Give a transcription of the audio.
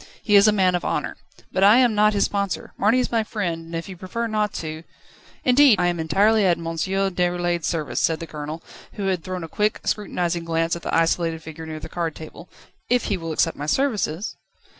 He is a man of honour. But I am not his sponsor. Marny is my friend, and if you prefer not to ..." "Indeed I am entirely at M. Déroulède's service," said the Colonel, who had thrown a quick, scrutinising glance at the isolated figure near the card table, "if he will accept my services